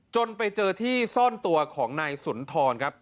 จนไปเจอที่ซ่อนตัวของนายสุนทรครับ